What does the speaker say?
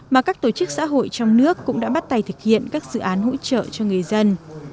mà các tổ chức xã hội trong nước cũng đã bắt tay thực hiện các dự án hỗ trợ cho người dân